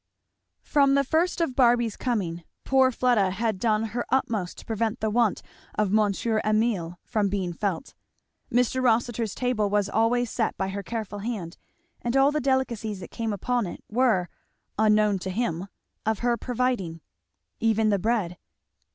From the first of Barby's coming poor Fleda had done her utmost to prevent the want of Mons. Emile from being felt. Mr. Rossitur's table was always set by her careful hand, and all the delicacies that came upon it were, unknown to him, of her providing. Even the bread.